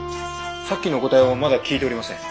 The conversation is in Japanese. さっきのお答えをまだ聞いておりません。